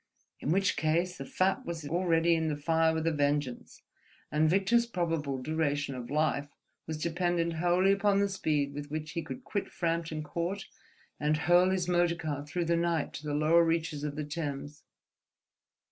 In which case, the fat was already in the fire with a vengeance, and Victor's probable duration of life was dependent wholly upon the speed with which he could quit Frampton Court and hurl his motor car through the night to the lower reaches of the Thames.